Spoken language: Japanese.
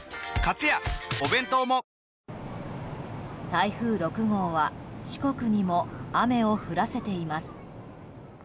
台風６号は四国にも雨を降らせています。